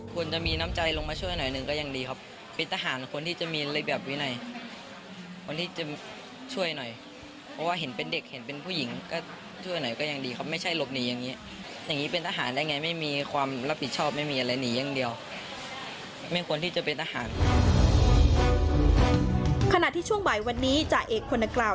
ขณะที่ช่วงบ่ายวันนี้จ่ายเอกคนนกล่าว